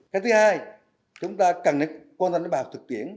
cách thứ hai chúng ta cần quan tâm đến bài học thực tiễn